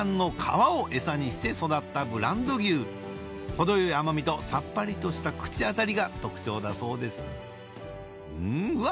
程よい甘みとさっぱりとした口当たりが特徴だそうですうんうわ！